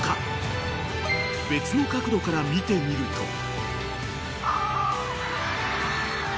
［別の角度から見てみると］